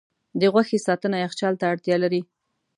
د غوښې ساتنه یخچال ته اړتیا لري.